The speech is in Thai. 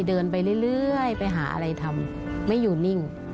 เดินไปเรื่อยไปหาอะไรทำไม่อยู่นิ่ง